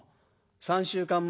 ３週間前？